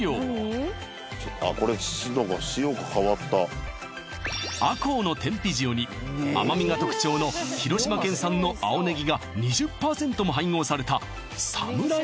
これ赤穂の天日塩に甘みが特徴の広島県産の青ねぎが２０％も配合されたサムライ